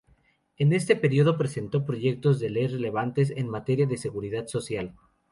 En este período presentó proyectos de ley relevantes en materia de seguridad social.